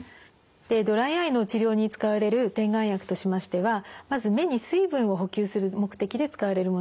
ドライアイの治療に使われる点眼薬としましてはまず目に水分を補給する目的で使われるものがあります。